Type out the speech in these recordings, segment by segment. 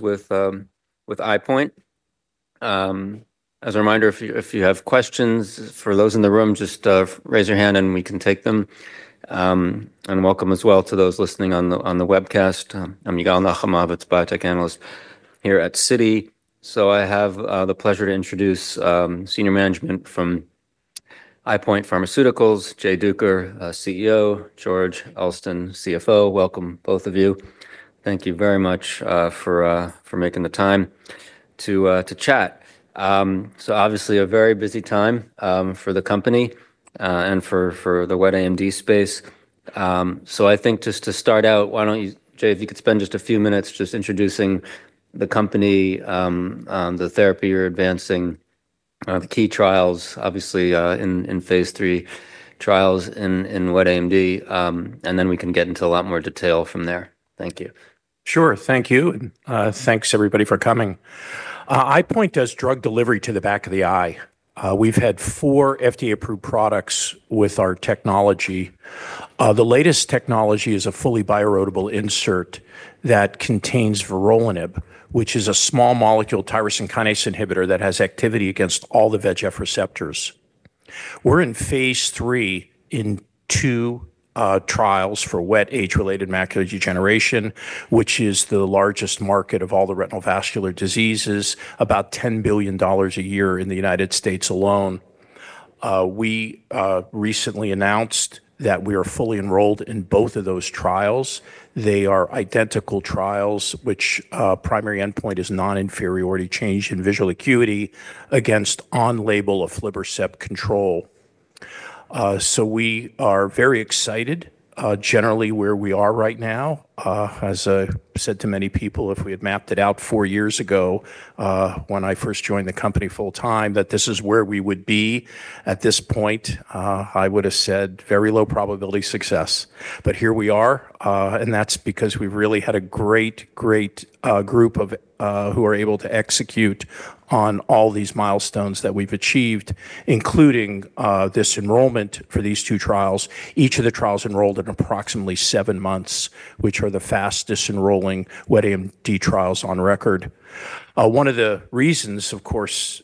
With EyePoint. As a reminder, if you have questions for those in the room, just raise your hand and we can take them. Welcome as well to those listening on the webcast. I'm Miguel Nahamab, a biotech analyst here at CITI. I have the pleasure to introduce senior management from EyePoint Pharmaceuticals, Dr. Jay S. Duker, CEO, and George O. Elston, CFO. Welcome, both of you. Thank you very much for making the time to chat. Obviously, a very busy time for the company and for the wet AMD space. To start out, Jay, if you could spend just a few minutes introducing the company, the therapy you're advancing, key trials, obviously in Phase 3 trials in wet AMD, and then we can get into a lot more detail from there. Thank you. Sure, thank you. And thanks everybody for coming. EyePoint does drug delivery to the back of the eye. We've had four FDA-approved products with our technology. The latest technology is a fully bioerodable insert that contains Vorolanib, which is a small molecule tyrosine kinase inhibitor that has activity against all the VEGF receptors. We're in Phase 3 in two trials for wet age-related macular degeneration, which is the largest market of all the retinal vascular diseases, about $10 billion a year in the United States alone. We recently announced that we are fully enrolled in both of those trials. They are identical trials, which the primary endpoint is non-inferiority change in visual acuity against on-label aflibercept control. We are very excited. Generally, where we are right now, as I said to many people, if we had mapped it out four years ago when I first joined the company full time, that this is where we would be at this point, I would have said very low probability of success. Here we are, and that's because we've really had a great, great group who are able to execute on all these milestones that we've achieved, including this enrollment for these two trials. Each of the trials enrolled in approximately seven months, which are the fastest enrolling wet AMD trials on record. One of the reasons, of course,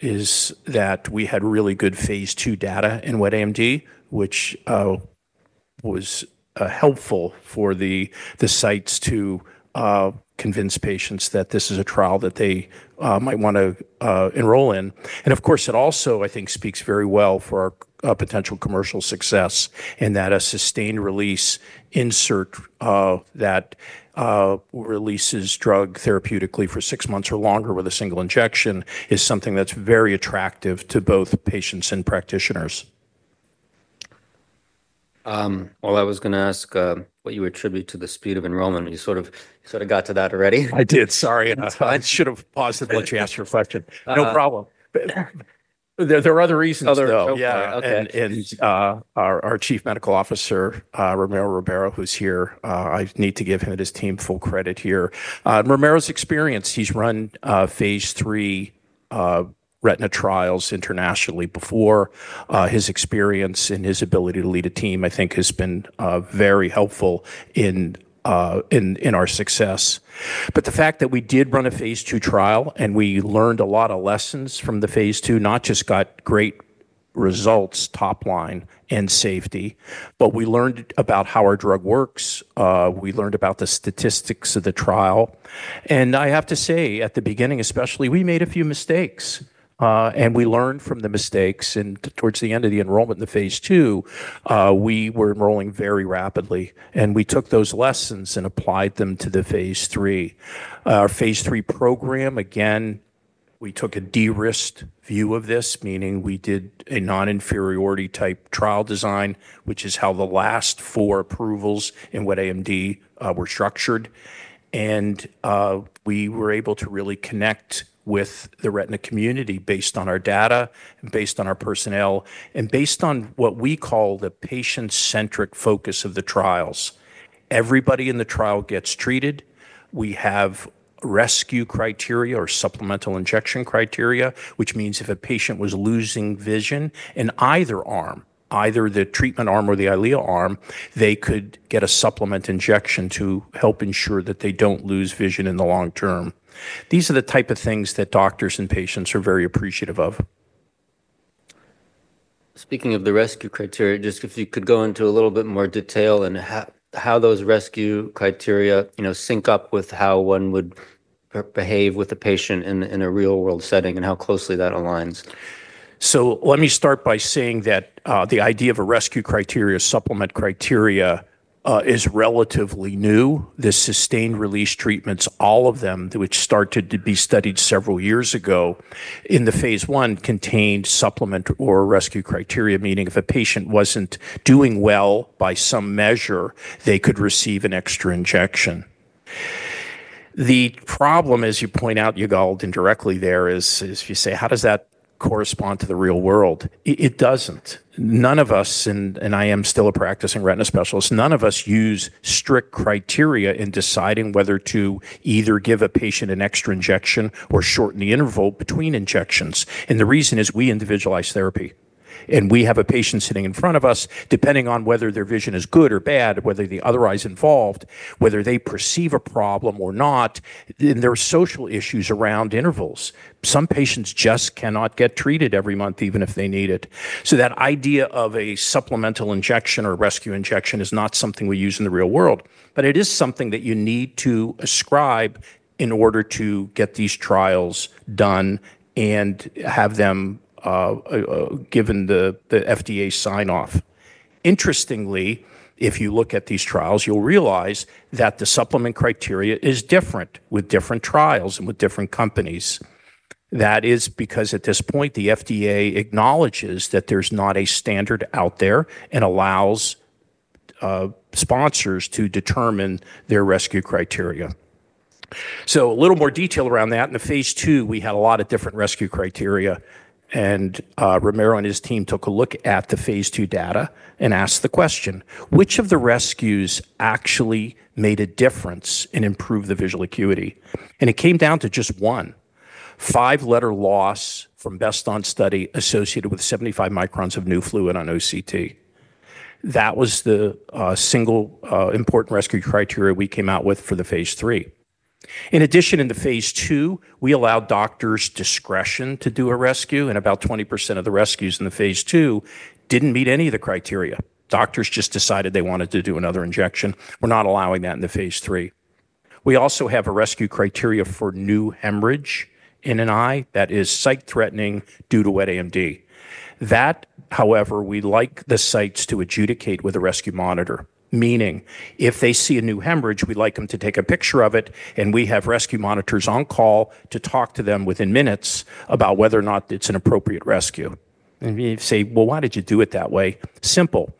is that we had really good Phase 2 data in wet AMD, which was helpful for the sites to convince patients that this is a trial that they might want to enroll in. It also, I think, speaks very well for our potential commercial success in that a sustained release insert that releases drug therapeutically for six months or longer with a single injection is something that's very attractive to both patients and practitioners. I was going to ask what you attribute to the speed of enrollment. You sort of got to that already. I did, sorry. I should have paused and let you ask your question. No problem. There are other reasons, though. Yeah, OK. Our Chief Medical Officer, Ramiro Ribeiro, who's here, I need to give him and his team full credit here. Ramiro's experience, he's run Phase 3 retina trials internationally before. His experience and his ability to lead a team, I think, has been very helpful in our success. The fact that we did run a Phase 2 trial and we learned a lot of lessons from the Phase 2, not just got great results, top line and safety, but we learned about how our drug works. We learned about the statistics of the trial. I have to say, at the beginning especially, we made a few mistakes. We learned from the mistakes. Towards the end of the enrollment in the Phase 2, we were enrolling very rapidly. We took those lessons and applied them to the Phase 3. Our Phase 3 program, again, we took a de-risked view of this, meaning we did a non-inferiority type trial design, which is how the last four approvals in wet AMD were structured. We were able to really connect with the retina community based on our data, based on our personnel, and based on what we call the patient-centric focus of the trials. Everybody in the trial gets treated. We have rescue criteria or supplemental injection criteria, which means if a patient was losing vision in either arm, either the treatment arm or the Eylea arm, they could get a supplement injection to help ensure that they don't lose vision in the long term. These are the type of things that doctors and patients are very appreciative of. Speaking of the rescue criteria, if you could go into a little bit more detail and how those rescue criteria sync up with how one would behave with a patient in a real-world setting and how closely that aligns. Let me start by saying that the idea of a rescue criteria, supplement criteria, is relatively new. The sustained release treatments, all of them, which started to be studied several years ago in the Phase 1, contained supplement or rescue criteria, meaning if a patient wasn't doing well by some measure, they could receive an extra injection. The problem, as you point out, Yigal, indirectly there, is if you say, how does that correspond to the real world? It doesn't. None of us, and I am still a practicing retina specialist, use strict criteria in deciding whether to either give a patient an extra injection or shorten the interval between injections. The reason is we individualize therapy. We have a patient sitting in front of us, depending on whether their vision is good or bad, whether they're otherwise involved, whether they perceive a problem or not, and there are social issues around intervals. Some patients just cannot get treated every month, even if they need it. That idea of a supplemental injection or rescue injection is not something we use in the real world. It is something that you need to ascribe in order to get these trials done and have them given the FDA sign-off. Interestingly, if you look at these trials, you'll realize that the supplement criteria is different with different trials and with different companies. That is because at this point, the FDA acknowledges that there's not a standard out there and allows sponsors to determine their rescue criteria. A little more detail around that. In Phase two, we had a lot of different rescue criteria. Ramiro and his team took a look at the Phase two data and asked the question, which of the rescues actually made a difference and improved the visual acuity? It came down to just one, five-letter loss from best on study associated with 75 µm of new fluid on OCT. That was the single important rescue criteria we came out with for the Phase 3. In addition, in the Phase two, we allowed doctors' discretion to do a rescue. About 20% of the rescues in the Phase 2 didn't meet any of the criteria. Doctors just decided they wanted to do another injection. We're not allowing that in the Phase 3. We also have a rescue criteria for new hemorrhage in an eye that is sight threatening due to wet AMD. That, however, we like the sites to adjudicate with a rescue monitor, meaning if they see a new hemorrhage, we like them to take a picture of it. We have rescue monitors on call to talk to them within minutes about whether or not it's an appropriate rescue. You say, why did you do it that way? Simple.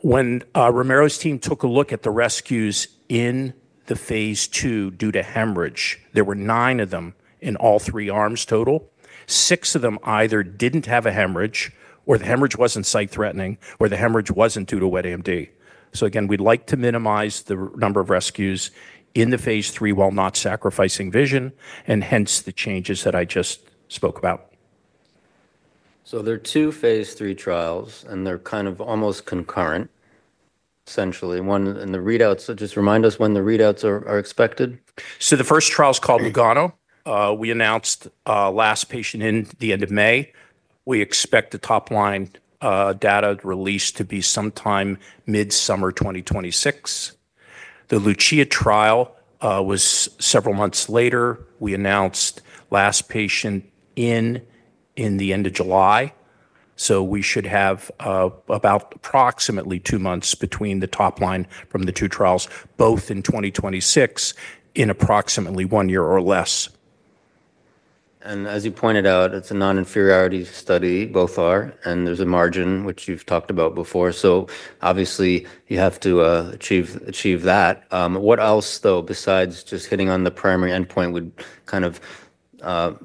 When Ribeiro's team took a look at the rescues in the Phase 2 due to hemorrhage, there were nine of them in all three arms total. Six of them either didn't have a hemorrhage, or the hemorrhage wasn't sight threatening, or the hemorrhage wasn't due to wet AMD. We would like to minimize the number of rescues in the Phase 3 while not sacrificing vision, and hence the changes that I just spoke about. There are two Phase 3 trials, and they're kind of almost concurrent, essentially. The readouts, just remind us when the readouts are expected. The first trial is called LUGANO. We announced last patient in the end of May. We expect the top line data release to be sometime mid-summer 2026. The Lucia trial was several months later. We announced last patient in the end of July. We should have about approximately two months between the top line from the two trials, both in 2026, in approximately one year or less. As you pointed out, it's a non-inferiority study, both are. There's a margin, which you've talked about before. Obviously, you have to achieve that. What else, though, besides just hitting on the primary endpoint would kind of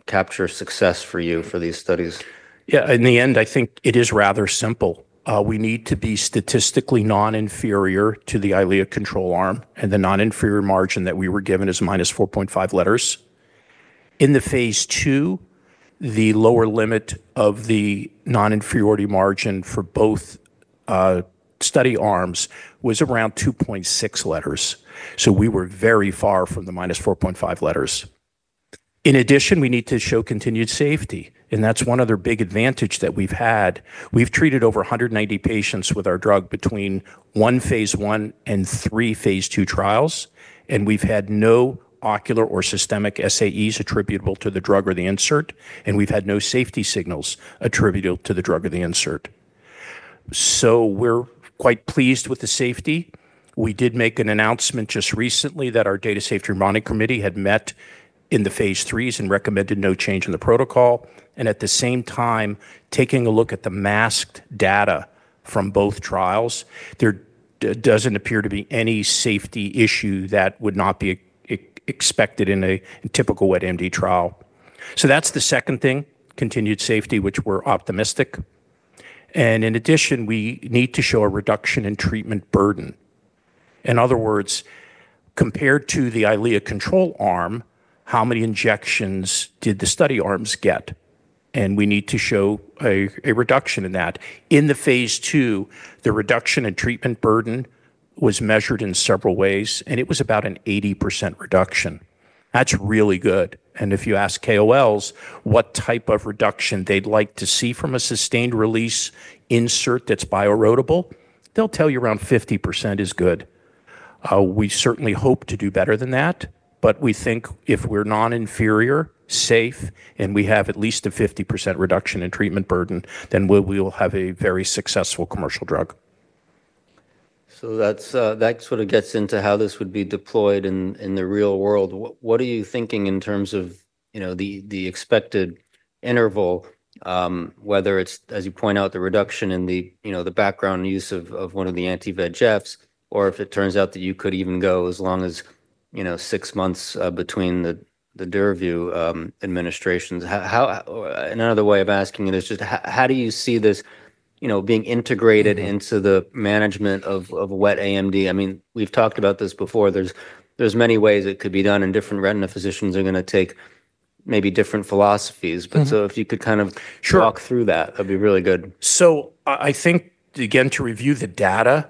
capture success for you for these studies? Yeah, in the end, I think it is rather simple. We need to be statistically non-inferior to the Eylea control arm. The non-inferiority margin that we were given is minus 4.5 letters. In the Phase 2, the lower limit of the non-inferiority margin for both study arms was around 2.6 letters. We were very far from the minus 4.5 letters. In addition, we need to show continued safety. That's one other big advantage that we've had. We've treated over 190 patients with our drug between one Phase 1 and three Phase 2 trials. We've had no ocular or systemic SAEs attributable to the drug or the insert. We've had no safety signals attributable to the drug or the insert. We're quite pleased with the safety. We did make an announcement just recently that our Data Safety Monitoring Committee had met in the Phase 3s and recommended no change in the protocol. At the same time, taking a look at the masked data from both trials, there doesn't appear to be any safety issue that would not be expected in a typical wet AMD trial. That's the second thing, continued safety, which we're optimistic. In addition, we need to show a reduction in treatment burden. In other words, compared to the Eylea control arm, how many injections did the study arms get? We need to show a reduction in that. In the Phase 2, the reduction in treatment burden was measured in several ways. It was about an 80% reduction. That's really good. If you ask KOLs what type of reduction they'd like to see from a sustained release insert that's bioerodable, they'll tell you around 50% is good. We certainly hope to do better than that. We think if we're non-inferior, safe, and we have at least a 50% reduction in treatment burden, then we will have a very successful commercial drug. That sort of gets into how this would be deployed in the real world. What are you thinking in terms of the expected interval, whether it's, as you point out, the reduction in the background use of one of the anti-VEGFs, or if it turns out that you could even go as long as six months between the DURAVYU administrations? Another way of asking you this, just how do you see this being integrated into the management of wet AMD? I mean, we've talked about this before. There are many ways it could be done. Different retina physicians are going to take maybe different philosophies. If you could kind of walk through that, that'd be really good. I think, again, to review the data,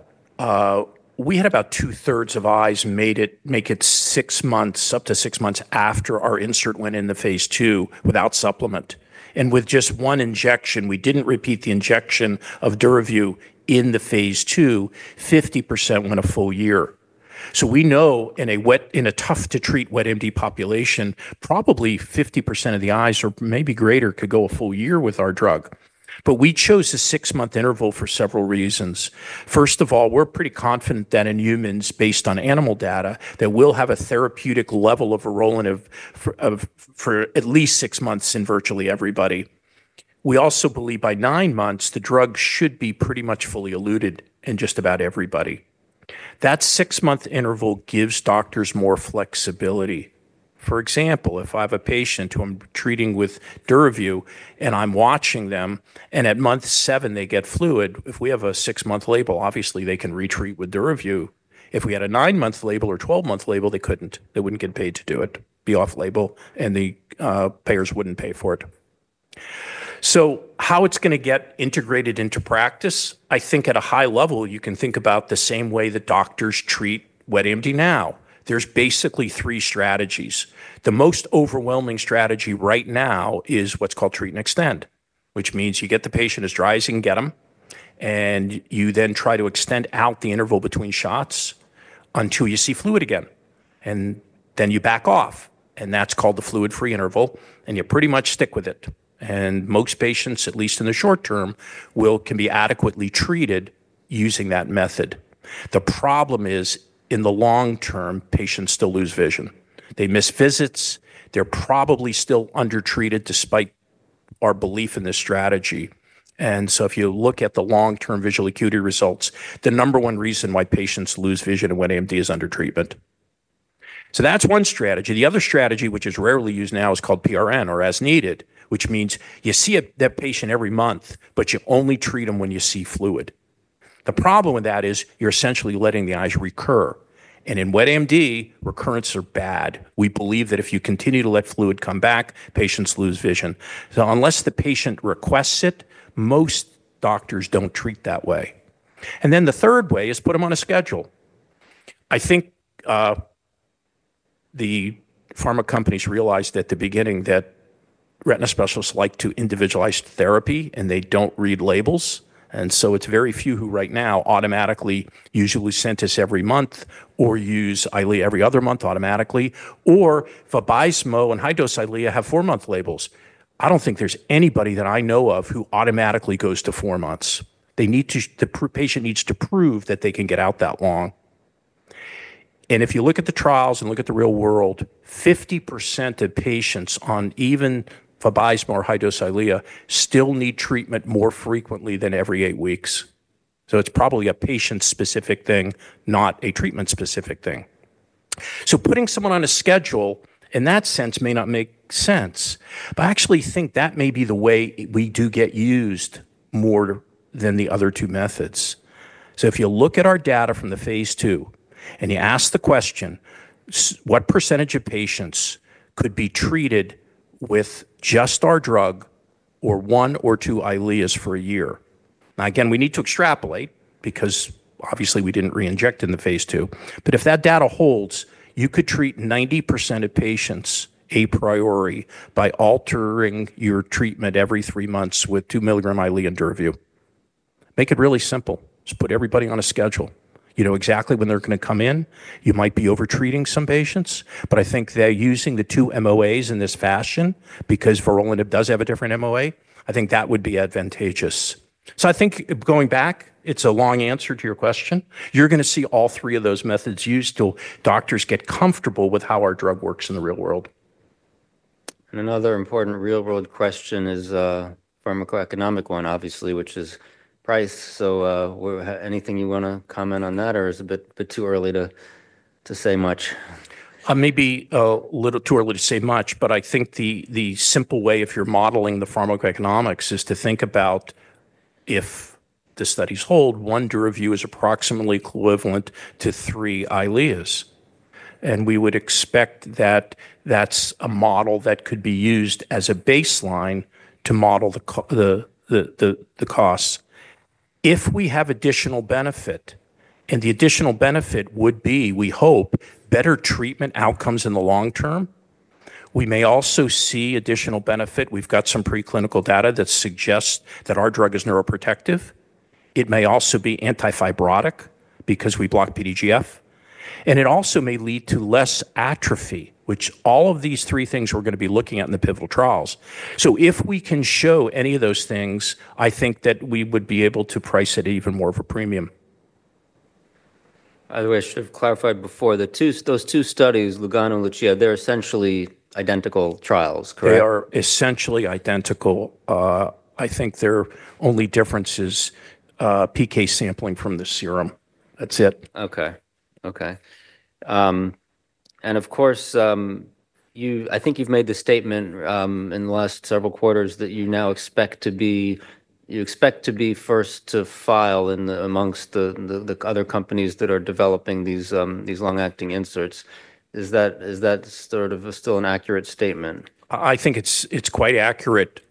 we had about 2/3 of eyes make it six months, up to six months after our insert went into Phase 2 without supplement. With just one injection, we didn't repeat the injection of DURAVYU in the Phase 2. 50% went a full year. We know in a tough-to-treat wet AMD population, probably 50% of the eyes, or maybe greater, could go a full year with our drug. We chose a six-month interval for several reasons. First of all, we're pretty confident that in humans, based on animal data, we'll have a therapeutic level of Vorolanib for at least six months in virtually everybody. We also believe by nine months, the drug should be pretty much fully eluted in just about everybody. That six-month interval gives doctors more flexibility. For example, if I have a patient who I'm treating with DURAVYU and I'm watching them, and at month seven, they get fluid, if we have a six-month label, obviously, they can retreat with DURAVYU. If we had a nine-month label or 12-month label, they couldn't. They wouldn't get paid to do it, be off label. The payers wouldn't pay for it. How it's going to get integrated into practice? I think at a high level, you can think about it the same way that doctors treat wet AMD now. There are basically three strategies. The most overwhelming strategy right now is what's called treat and extend, which means you get the patient as dry as you can get them, and you then try to extend out the interval between shots until you see fluid again, and then you back off. That's called the fluid-free interval, and you pretty much stick with it. Most patients, at least in the short term, can be adequately treated using that method. The problem is, in the long term, patients still lose vision. They miss visits. They're probably still undertreated despite our belief in this strategy. If you look at the long-term visual acuity results, the number one reason why patients lose vision when AMD is under treatment. That's one strategy. The other strategy, which is rarely used now, is called PRN or as needed, which means you see that patient every month, but you only treat them when you see fluid. The problem with that is you're essentially letting the eyes recur, and in wet AMD, recurrences are bad. We believe that if you continue to let fluid come back, patients lose vision. Unless the patient requests it, most doctors don't treat that way. The third way is put them on a schedule. I think the pharma companies realized at the beginning that retina specialists like to individualize therapy, and they don't read labels. It's very few who right now automatically use Lucentis every month or use Eylea every other month automatically. VABYSMO and high-dose Eylea have four-month labels. I don't think there's anybody that I know of who automatically goes to four months. The patient needs to prove that they can get out that long. If you look at the trials and look at the real world, 50% of patients on even VABYSMO or high-dose Eylea still need treatment more frequently than every eight weeks. It's probably a patient-specific thing, not a treatment-specific thing. Putting someone on a schedule in that sense may not make sense. I actually think that may be the way we do get used more than the other two methods. If you look at our data from the Phase 2 and you ask the question, what percentage of patients could be treated with just our drug or one or two Eyleas for a year? Now, again, we need to extrapolate because obviously we didn't reinject in the Phase 2. If that data holds, you could treat 90% of patients a priori by altering your treatment every three months with 2 milligram Eylea and DURAVYU. Make it really simple. Just put everybody on a schedule. You know exactly when they're going to come in. You might be overtreating some patients. I think that using the two MOAs in this fashion, because Vorolanib does have a different MOA, I think that would be advantageous. I think going back, it's a long answer to your question. You're going to see all three of those methods used till doctors get comfortable with how our drug works in the real world. Another important real-world question is a pharmaco-economic one, obviously, which is price. Anything you want to comment on that? Is it a bit too early to say much? Maybe a little too early to say much. I think the simple way if you're modeling the pharmaco-economics is to think about if the studies hold, one DURAVYU is approximately equivalent to three Eyleas. We would expect that that's a model that could be used as a baseline to model the costs. If we have additional benefit, and the additional benefit would be, we hope, better treatment outcomes in the long term, we may also see additional benefit. We've got some preclinical data that suggests that our drug is neuroprotective. It may also be antifibrotic because we block PDGF. It also may lead to less atrophy, which all of these three things we're going to be looking at in the pivotal trials. If we can show any of those things, I think that we would be able to price it even more of a premium. By the way, I should have clarified before, those two studies, Lugano and Lucia, they're essentially identical trials, correct? They are essentially identical. I think their only difference is PK sampling from the serum. That's it. OK. I think you've made the statement in the last several quarters that you now expect to be first to file amongst the other companies that are developing these long-acting inserts. Is that sort of still an accurate statement? I think it's quite accurate,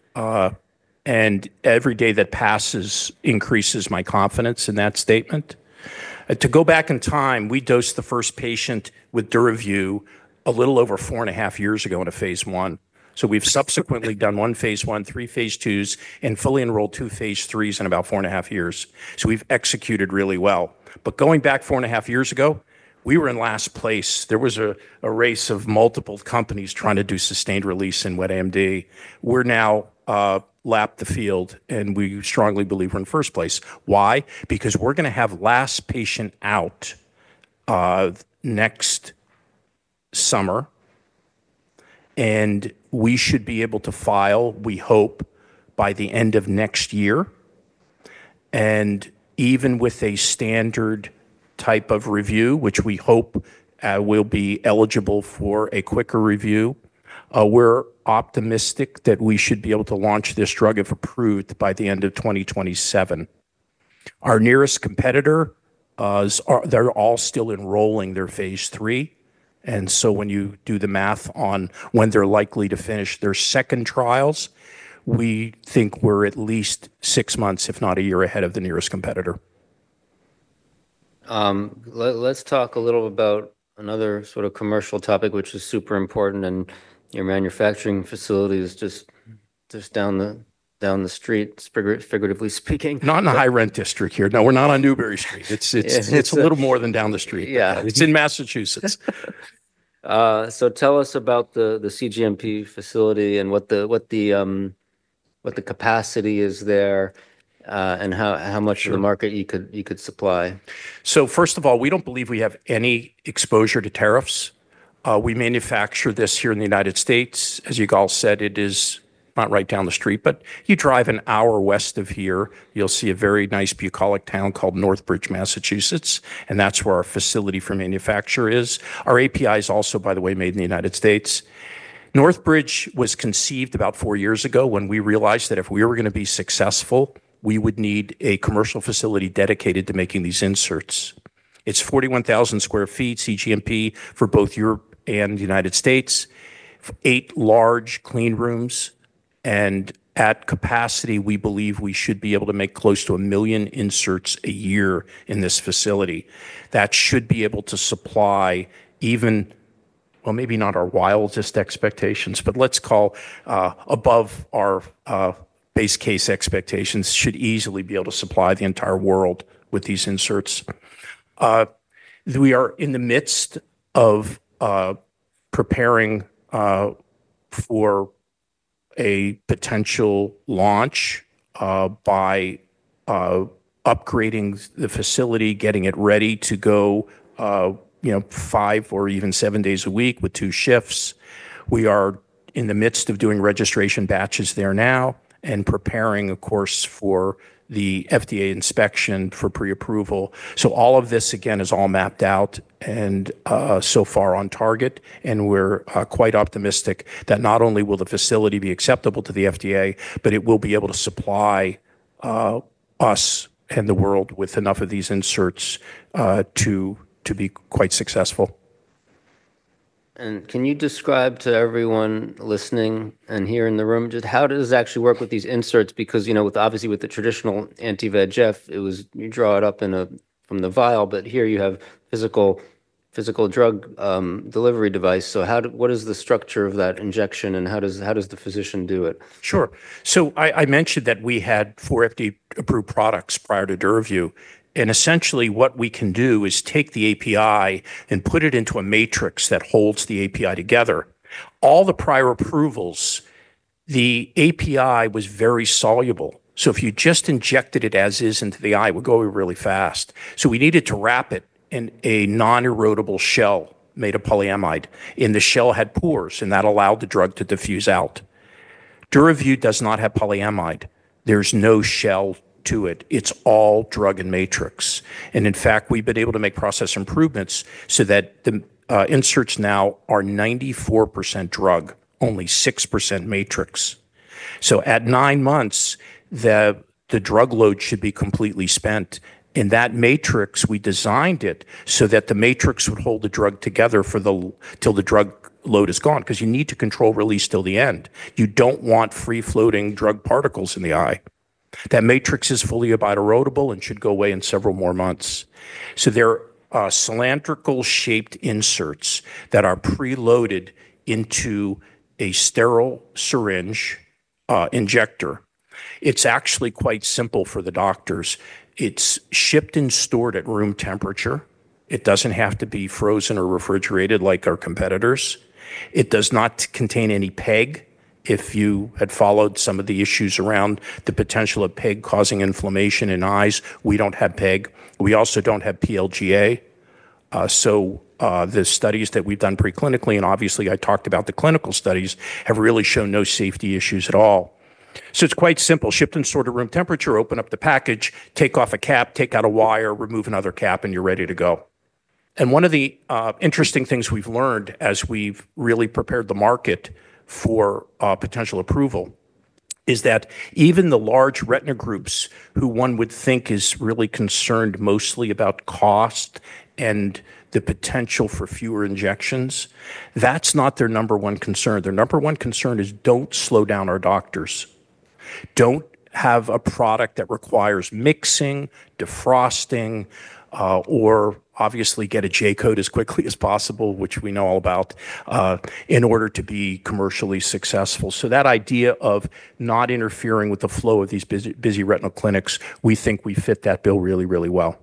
and every day that passes increases my confidence in that statement. To go back in time, we dosed the first patient with DURAVYU a little over four and a half years ago in a Phase 1. We've subsequently done one Phase 1, three Phase 2s, and fully enrolled two Phase 3s in about four and a half years. We've executed really well. Going back four and a half years ago, we were in last place. There was a race of multiple companies trying to do sustained release in wet AMD. We're now a lap of the field, and we strongly believe we're in first place. Why? Because we're going to have last patient out next summer, and we should be able to file, we hope, by the end of next year. Even with a standard type of review, which we hope will be eligible for a quicker review, we're optimistic that we should be able to launch this drug if approved by the end of 2027. Our nearest competitor, they're all still enrolling their Phase 3. When you do the math on when they're likely to finish their second trials, we think we're at least six months, if not a year, ahead of the nearest competitor. Let's talk a little about another sort of commercial topic, which is super important. Your manufacturing facility is just down the street, figuratively speaking. Not in the high rent district here. No, we're not on Newbury Street. It's a little more than down the street. Yeah. It's in Massachusetts. Tell us about the CGMP facility and what the capacity is there and how much of the market you could supply. First of all, we don't believe we have any exposure to tariffs. We manufacture this here in the United States. As you all said, it is not right down the street, but you drive an hour west of here, you'll see a very nice bucolic town called Northbridge, Massachusetts. That's where our facility for manufacture is. Our API is also, by the way, made in the United States. Northbridge was conceived about four years ago when we realized that if we were going to be successful, we would need a commercial facility dedicated to making these inserts. It's 41,000 square feet CGMP for both Europe and the United States, eight large clean rooms. At capacity, we believe we should be able to make close to a million inserts a year in this facility. That should be able to supply even, well, maybe not our wildest expectations, but let's call above our base case expectations, should easily be able to supply the entire world with these inserts. We are in the midst of preparing for a potential launch by upgrading the facility, getting it ready to go five or even seven days a week with two shifts. We are in the midst of doing registration batches there now and preparing, of course, for the FDA inspection for pre-approval. All of this, again, is all mapped out and so far on target. We're quite optimistic that not only will the facility be acceptable to the FDA, but it will be able to supply us and the world with enough of these inserts to be quite successful. Can you describe to everyone listening and here in the room just how does this actually work with these inserts? Obviously, with the traditional anti-VEGF, you draw it up from the vial. Here you have a physical drug delivery device. What is the structure of that injection, and how does the physician do it? Sure. I mentioned that we had four FDA-approved products prior to DURAVYU. Essentially, what we can do is take the API and put it into a matrix that holds the API together. All the prior approvals, the API was very soluble. If you just injected it as is into the eye, it would go away really fast. We needed to wrap it in a non-erodable shell made of polyamide. The shell had pores, and that allowed the drug to diffuse out. DURAVYU does not have polyamide. There's no shell to it. It's all drug and matrix. In fact, we've been able to make process improvements so that the inserts now are 94% drug, only 6% matrix. At nine months, the drug load should be completely spent. That matrix, we designed it so that the matrix would hold the drug together till the drug load is gone because you need to control release till the end. You don't want free-floating drug particles in the eye. That matrix is fully bioerodable and should go away in several more months. They're cylindrical-shaped inserts that are preloaded into a sterile syringe injector. It's actually quite simple for the doctors. It's shipped and stored at room temperature. It doesn't have to be frozen or refrigerated like our competitors. It does not contain any PEG. If you had followed some of the issues around the potential of PEG causing inflammation in eyes, we don't have PEG. We also don't have PLGA. The studies that we've done preclinically, and obviously, I talked about the clinical studies, have really shown no safety issues at all. It's quite simple. Shipped and stored at room temperature. Open up the package. Take off a cap. Take out a wire. Remove another cap. You're ready to go. One of the interesting things we've learned as we've really prepared the market for potential approval is that even the large retina groups, who one would think is really concerned mostly about cost and the potential for fewer injections, that's not their number one concern. Their number one concern is don't slow down our doctors. Don't have a product that requires mixing, defrosting, or obviously get a J-code as quickly as possible, which we know all about, in order to be commercially successful. That idea of not interfering with the flow of these busy retinal clinics, we think we fit that bill really, really well.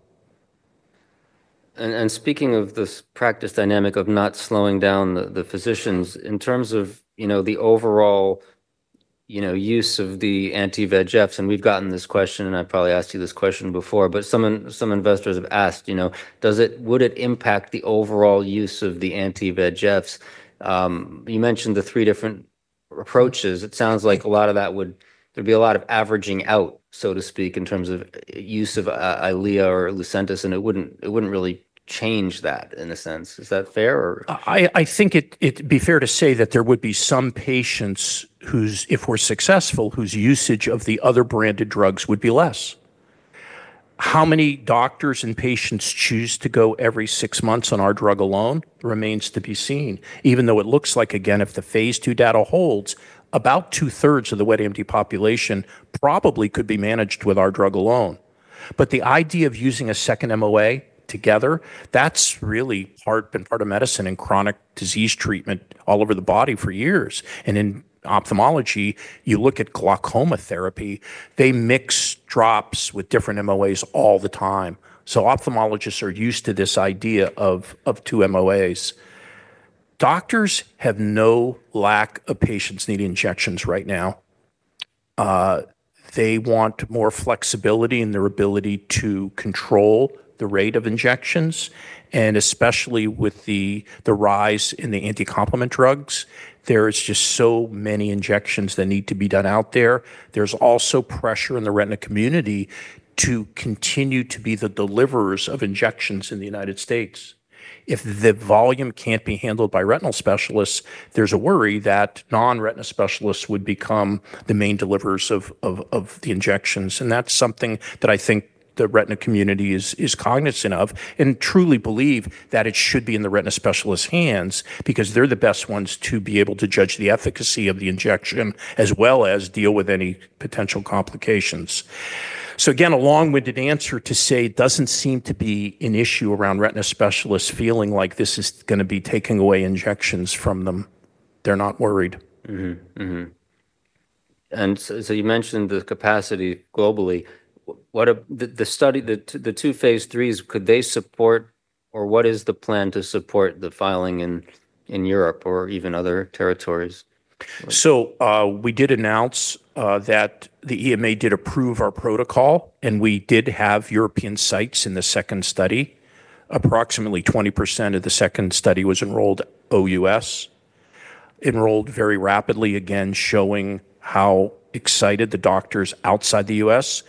Speaking of this practice dynamic of not slowing down the physicians, in terms of the overall use of the anti-VEGFs, we've gotten this question, and I've probably asked you this question before, but some investors have asked, would it impact the overall use of the anti-VEGFs? You mentioned the three different approaches. It sounds like a lot of that would be a lot of averaging out, so to speak, in terms of use of Eylea or Lucentis, and it wouldn't really change that in a sense. Is that fair? I think it'd be fair to say that there would be some patients whose, if we're successful, whose usage of the other branded drugs would be less. How many doctors and patients choose to go every six months on our drug alone remains to be seen, even though it looks like, again, if the Phase 2 data holds, about 2/3 of the wet AMD population probably could be managed with our drug alone. The idea of using a second MOA together, that's really been part of medicine and chronic disease treatment all over the body for years. In ophthalmology, you look at glaucoma therapy. They mix drops with different MOAs all the time. Ophthalmologists are used to this idea of two MOAs. Doctors have no lack of patients needing injections right now. They want more flexibility in their ability to control the rate of injections, especially with the rise in the anticomplement drugs. There are just so many injections that need to be done out there. There's also pressure in the retina community to continue to be the deliverers of injections in the United States. If the volume can't be handled by retinal specialists, there's a worry that non-retina specialists would become the main deliverers of the injections. That's something that I think the retina community is cognizant of and truly believe that it should be in the retina specialist's hands because they're the best ones to be able to judge the efficacy of the injection as well as deal with any potential complications. Again, a long-winded answer to say it doesn't seem to be an issue around retina specialists feeling like this is going to be taking away injections from them. They're not worried. You mentioned the capacity globally. The two Phase 3s, could they support, or what is the plan to support the filing in Europe or even other territories? We did announce that the EMA did approve our protocol. We did have European sites in the second study. Approximately 20% of the second study was enrolled OUS, enrolled very rapidly, again showing how excited the doctors outside the U.S.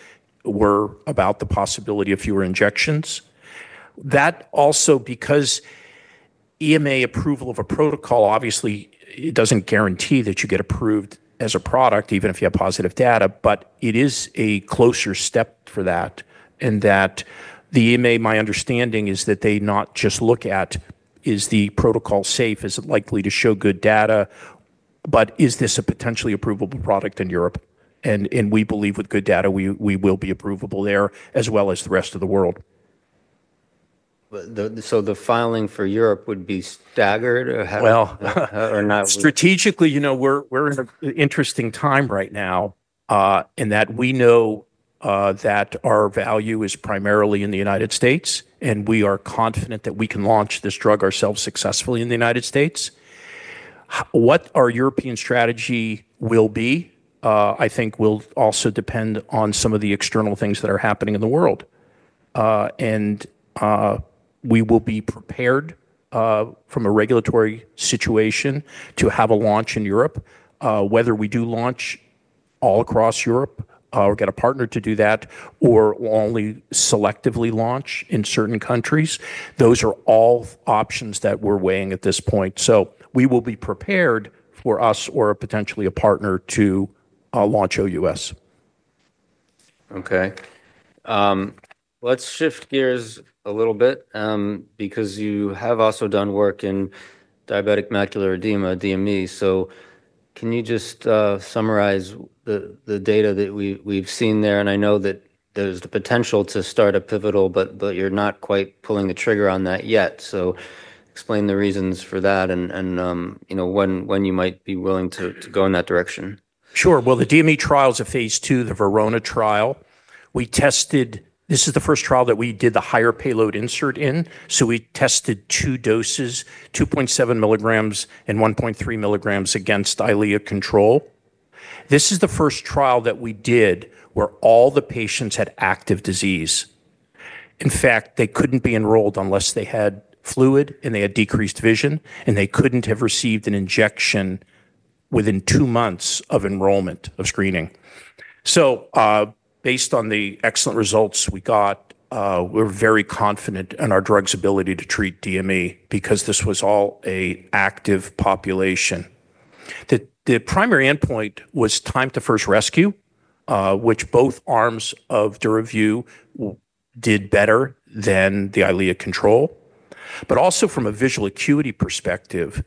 were about the possibility of fewer injections. That also, because EMA approval of a protocol obviously doesn't guarantee that you get approved as a product, even if you have positive data, it is a closer step for that. The EMA, my understanding is that they not just look at, is the protocol safe, is it likely to show good data, but is this a potentially approvable product in Europe. We believe with good data, we will be approvable there, as well as the rest of the world. Would the filing for Europe be staggered? Strategically, you know we're in an interesting time right now in that we know that our value is primarily in the United States. We are confident that we can launch this drug ourselves successfully in the United States. What our European strategy will be, I think, will also depend on some of the external things that are happening in the world. We will be prepared from a regulatory situation to have a launch in Europe. Whether we do launch all across Europe or get a partner to do that, or only selectively launch in certain countries, those are all options that we're weighing at this point. We will be prepared for us or potentially a partner to launch OUS. OK. Let's shift gears a little bit because you have also done work in diabetic macular edema, DME. Can you just summarize the data that we've seen there? I know that there's the potential to start a pivotal, but you're not quite pulling the trigger on that yet. Explain the reasons for that and when you might be willing to go in that direction. Sure. The DME trials of Phase 2, the Verona trial, we tested, this is the first trial that we did the higher payload insert in. We tested two doses, 2.7 mg and 1.3 mg, against Eylea control. This is the first trial that we did where all the patients had active disease. In fact, they couldn't be enrolled unless they had fluid and they had decreased vision. They couldn't have received an injection within two months of enrollment or screening. Based on the excellent results we got, we're very confident in our drug's ability to treat DME because this was all an active population. The primary endpoint was time to first rescue, which both arms of DURAVYU did better than the Eylea control. Also, from a visual acuity perspective,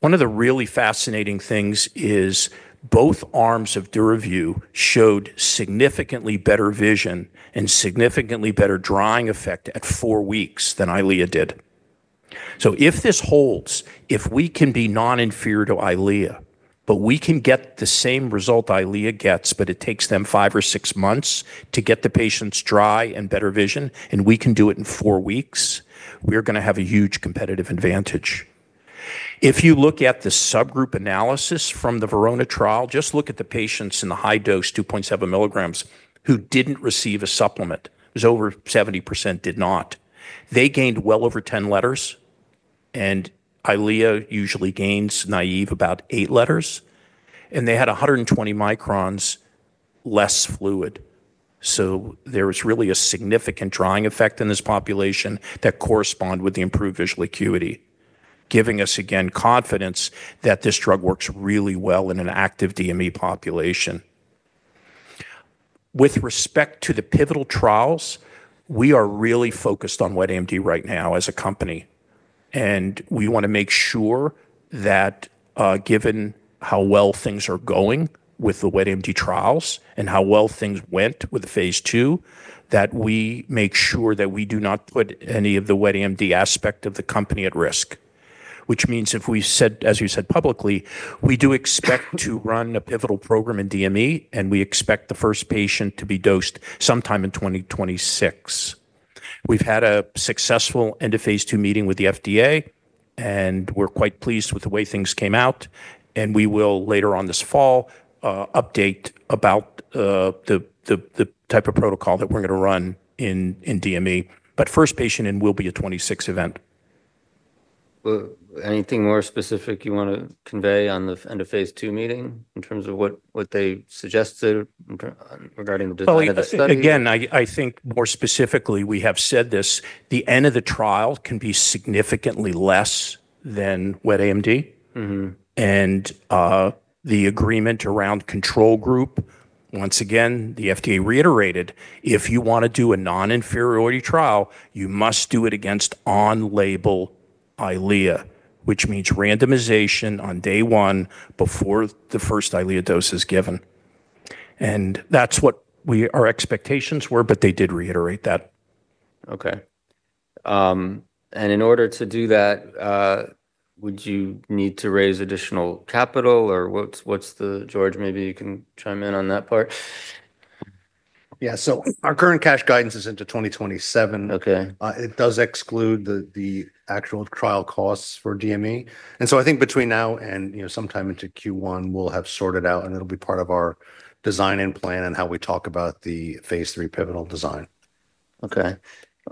one of the really fascinating things is both arms of DURAVYU showed significantly better vision and significantly better drying effect at four weeks than Eylea did. If this holds, if we can be non-inferior to Eylea, but we can get the same result Eylea gets, but it takes them five or six months to get the patients dry and better vision, and we can do it in four weeks, we are going to have a huge competitive advantage. If you look at the subgroup analysis from the Verona trial, just look at the patients in the high dose, 2.7 mg, who didn't receive a supplement. It was over 70% did not. They gained well over 10 letters. Eylea usually gains, naive, about eight letters. They had 120 μm less fluid. There was really a significant drying effect in this population that corresponded with the improved visual acuity, giving us, again, confidence that this drug works really well in an active DME population. With respect to the pivotal trials, we are really focused on wet AMD right now as a company. We want to make sure that given how well things are going with the wet AMD trials and how well things went with Phase 2, that we make sure that we do not put any of the wet AMD aspect of the company at risk, which means, as you said publicly, we do expect to run a pivotal program in DME. We expect the first patient to be dosed sometime in 2026. We've had a successful end-of-Phase 2 FDA meeting, and we're quite pleased with the way things came out. We will, later on this fall, update about the type of protocol that we're going to run in DME. First patient will be a 2026 event. Anything more specific you want to convey on the end-of-Phase 2 FDA meeting in terms of what they suggested regarding the details of the study? Again, I think more specifically, we have said this. The end of the trial can be significantly less than wet AMD. The agreement around control group, once again, the FDA reiterated, if you want to do a non-inferiority trial, you must do it against on-label Eylea, which means randomization on day one before the first Eylea dose is given. That's what our expectations were, but they did reiterate that. OK. In order to do that, would you need to raise additional capital? What's the, George, maybe you can chime in on that part? Yeah, our current cash guidance is into 2027. OK. It does exclude the actual trial costs for DME. I think between now and sometime into Q1, we'll have sorted out, and it'll be part of our design and plan and how we talk about the Phase 3 pivotal design. OK.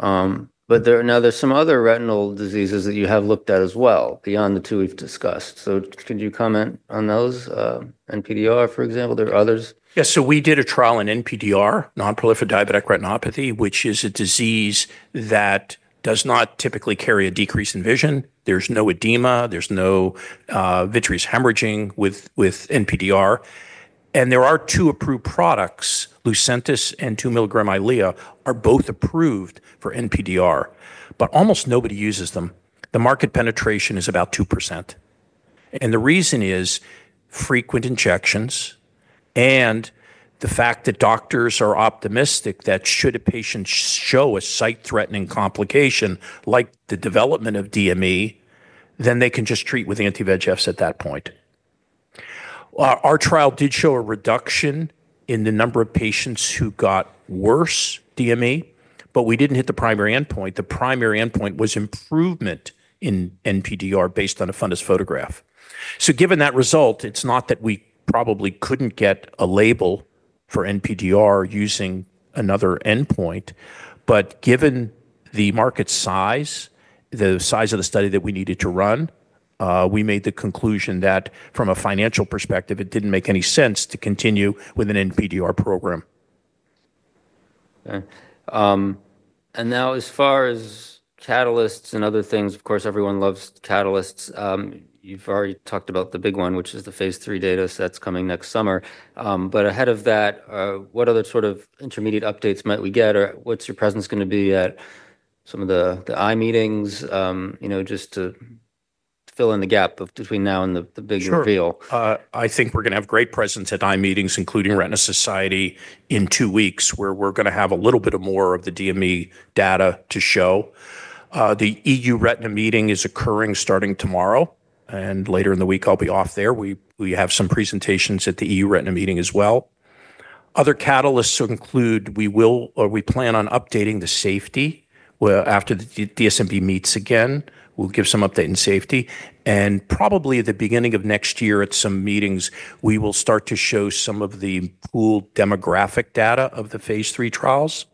There are some other retinal diseases that you have looked at as well beyond the two we've discussed. Could you comment on those? NPDR, for example. There are others. Yeah, so we did a trial in NPDR, nonproliferative diabetic retinopathy, which is a disease that does not typically carry a decrease in vision. There's no edema. There's no vitreous hemorrhaging with NPDR. There are two approved products. Lucentis and 2 mg Eylea are both approved for NPDR, but almost nobody uses them. The market penetration is about 2%. The reason is frequent injections and the fact that doctors are optimistic that should a patient show a sight-threatening complication, like the development of DME, they can just treat with anti-VEGFs at that point. Our trial did show a reduction in the number of patients who got worse DME. We didn't hit the primary endpoint. The primary endpoint was improvement in NPDR based on a fundus photograph. Given that result, it's not that we probably couldn't get a label for NPDR using another endpoint. Given the market size, the size of the study that we needed to run, we made the conclusion that from a financial perspective, it didn't make any sense to continue with an NPDR program. As far as catalysts and other things, of course, everyone loves catalysts. You've already talked about the big one, which is the Phase 3 data sets coming next summer. Ahead of that, what other sort of intermediate updates might we get? What's your presence going to be at some of the eye meetings? Just to fill in the gap between now and the big reveal. Sure. I think we're going to have great presence at eye meetings, including Retina Society in two weeks, where we're going to have a little bit more of the DME data to show. The EU Retina meeting is occurring starting tomorrow, and later in the week, I'll be off there. We have some presentations at the EU Retina meeting as well. Other catalysts include, we will or we plan on updating the safety. After the DSMB meets again, we'll give some update in safety. Probably at the beginning of next year, at some meetings, we will start to show some of the full demographic data of the Phase 3 trials.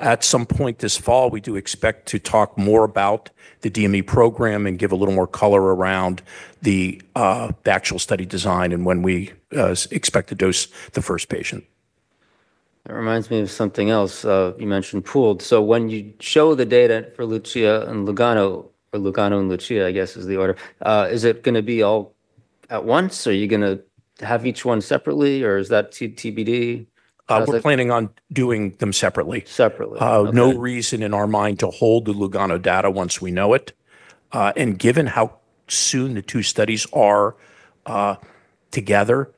At some point this fall, we do expect to talk more about the DME program and give a little more color around the actual study design and when we expect to dose the first patient. That reminds me of something else. You mentioned pooled. When you show the data for Lucia and Lugano, or Lugano and Lucia, I guess is the order, is it going to be all at once? Are you going to have each one separately? Is that TBD? We're planning on doing them separately. Separately. no reason in our mind to hold the Lugano data once we know it. Given how soon the two studies are together,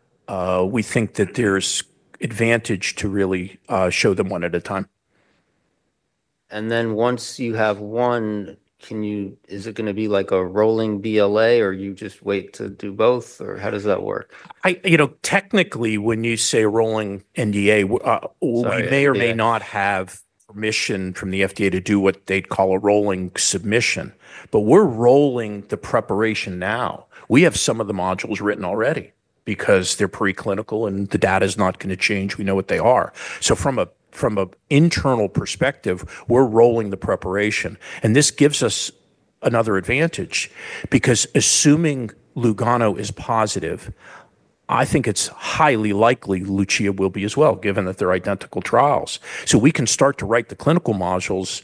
we think that there's an advantage to really show them one at a time. Once you have one, is it going to be like a rolling BLA? You just wait to do both? How does that work? Technically, when you say rolling NDA, we may or may not have permission from the FDA to do what they call a rolling submission. We're rolling the preparation now. We have some of the modules written already because they're preclinical and the data is not going to change. We know what they are. From an internal perspective, we're rolling the preparation. This gives us another advantage because assuming Lugano is positive, I think it's highly likely Lucia will be as well, given that they're identical trials. We can start to write the clinical modules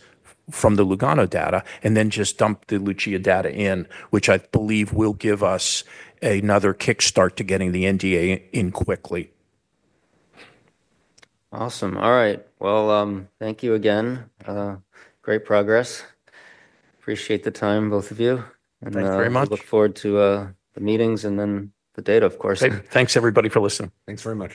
from the Lugano data and then just dump the Lucia data in, which I believe will give us another kickstart to getting the NDA in quickly. Awesome. All right. Thank you again. Great progress. Appreciate the time, both of you. Thanks very much. I look forward to the meetings and then the data, of course. Thanks, everybody, for listening. Thanks very much.